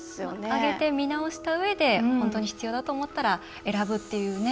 あげて見直したうえで本当に必要だと思ったら選ぶっていうね